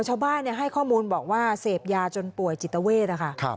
ชาวบ้านให้ข้อมูลบอกว่าเสพยาจนป่วยจิตเวทนะคะ